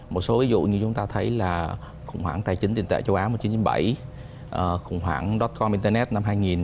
một số ví dụ như chúng ta thấy là khủng hoảng tài chính tiền tệ châu á một nghìn chín trăm chín mươi bảy khủng hoảng do con internet năm hai nghìn